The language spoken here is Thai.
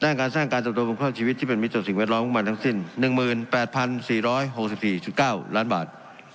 ด้านการสร้างการจบโดยมุมเคราะห์ชีวิตที่เป็นมิจสุขสิ่งแวดล้อมมุมมันทั้งสิ้น๑๘๔๖๔๙ล้านบาท